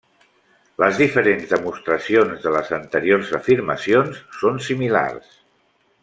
Les diferents demostracions de les anteriors afirmacions són similars.